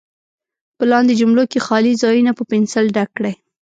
په لاندې جملو کې خالي ځایونه په پنسل ډک کړئ.